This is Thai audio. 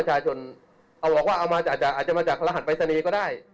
อาจจะมาจากรหัสไปรษณีย์ก็ได้